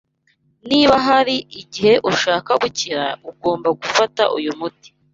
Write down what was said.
Niba hari igihe ushaka gukira, ugomba gufata uyu muti.